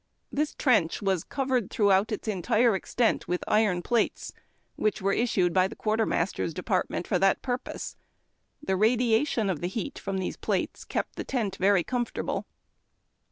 This trench was covered throughout its entire extent Avith iron plates, which were issued by the quartermaster's department for that purpose. The radiation of the heat from the plates kept the tent very comfortable.